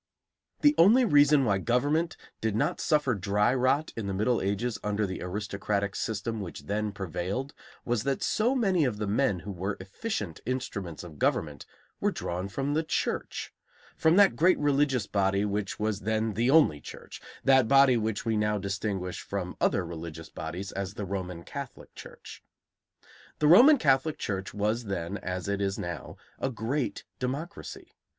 The only reason why government did not suffer dry rot in the Middle Ages under the aristocratic system which then prevailed was that so many of the men who were efficient instruments of government were drawn from the church, from that great religious body which was then the only church, that body which we now distinguish from other religious bodies as the Roman Catholic Church. The Roman Catholic Church was then, as it is now, a great democracy.